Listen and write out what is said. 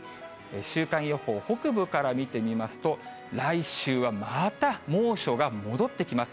週間予報、北部から見てみますと、来週はまた猛暑が戻ってきます。